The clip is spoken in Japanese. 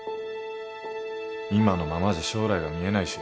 今のままじゃ将来が見えないし。